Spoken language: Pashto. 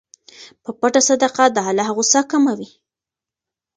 په پټه صدقه د الله غصه کموي.